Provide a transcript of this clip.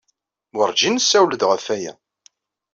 Wurǧin nessawel-d ɣef waya.